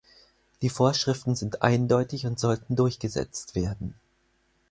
Die Vorschriften sind eindeutig und sollten durchgesetzt werden.